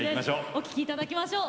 お聴きいただきましょう。